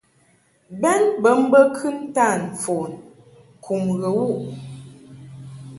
Bɛn bə mbə kɨntan mfon kum ghə wuʼ.